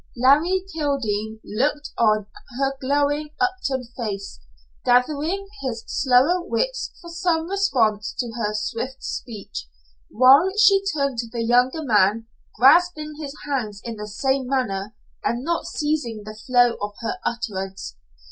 Larry Kildene looked on her glowing, upturned face, gathering his slower wits for some response to her swift speech, while she turned to the younger man, grasping his hands in the same manner and not ceasing the flow of her utterance.